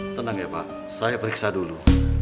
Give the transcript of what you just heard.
tenang ya pak saya periksa dulu